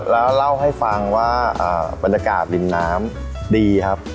แล้วเล่าให้ฟังว่าบรรยากาศริมน้ำดีครับ